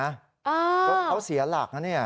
อ้าวเขาเสียหลักนะนี่